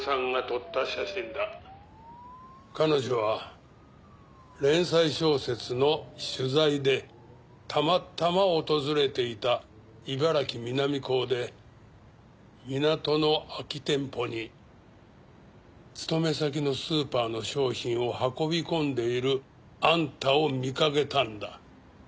彼女は連載小説の取材でたまたま訪れていた茨城南港で港の空き店舗に勤め先のスーパーの商品を運び込んでいるあんたを見かけたんだ。